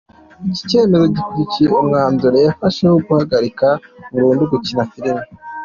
Iki cyemezo gikurikiye umwanzuro yafashe wo guhagarika burundu gukina filime.